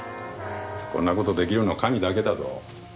こんなことできるの神だけだぞ。